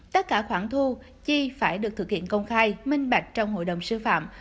tất cả khoản thu chi phải được thực hiện công khai minh bạch trong hội đồng sư phạm